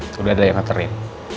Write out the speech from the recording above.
sudah ada yang ngeterin